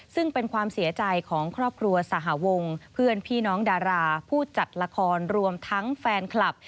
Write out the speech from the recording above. ซึ่งเป็นความเสียใจของครอบครัวสหวงเพื่อนพี่น้องดาราผู้จัดละครรวมทั้งแฟนคลับ